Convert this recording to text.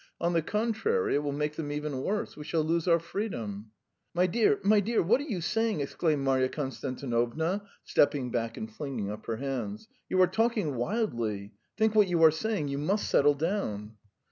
On the contrary, it will make them even worse. We shall lose our freedom." "My dear, my dear, what are you saying!" exclaimed Marya Konstantinovna, stepping back and flinging up her hands. "You are talking wildly! Think what you are saying. You must settle down!"